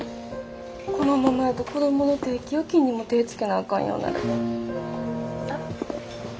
このままやと子どもの定期預金にも手ぇつけなあかんようになる。